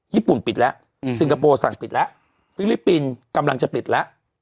ญี่ปุ่นปิดแล้วสิงคโปร์สั่งปิดแล้วฟิลิปปินส์กำลังจะปิดแล้ว